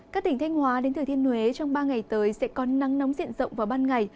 các tỉnh thanh hóa đến thừa thiên huế trong ba ngày tới sẽ có nắng nóng diện rộng vào ban ngày